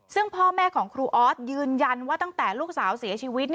ซึ่งพ่อแม่ของครูออสยืนยันว่าตั้งแต่ลูกสาวเสียชีวิต